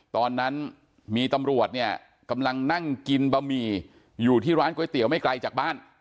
ตอนนั้นมีตำรวจเนี่ยกำลังนั่งกินบะหมี่อยู่ที่ร้านก๋วยเตี๋ยวไม่ไกลจากบ้าน